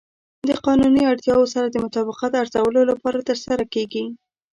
د قانوني اړتیاوو سره د مطابقت ارزولو لپاره ترسره کیږي.